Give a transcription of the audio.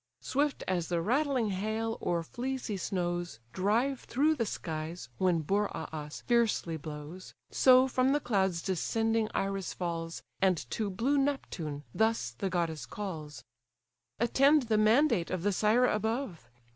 Swift as the rattling hail, or fleecy snows, Drive through the skies, when Boreas fiercely blows; So from the clouds descending Iris falls, And to blue Neptune thus the goddess calls: "Attend the mandate of the sire above!